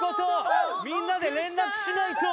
みんなで連絡しないと！